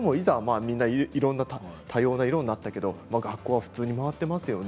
でもいざ多様な色になってみると学校は普通に回ってますよね。